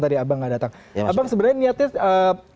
tadi abang nggak datang abang sebenarnya niatnya